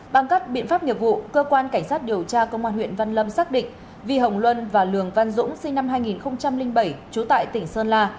bằng các biện pháp nghiệp vụ cơ quan cảnh sát điều tra công an huyện văn lâm xác định vi hồng luân và lường văn dũng sinh năm hai nghìn bảy trú tại tỉnh sơn la